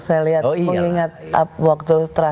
saya lihat mengingat waktu terakhir